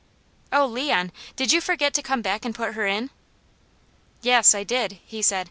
"Oh Leon, did you forget to come back and put her in?" "Yes I did!" he said.